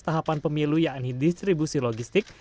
tahapan pemilu yakni distribusi logistik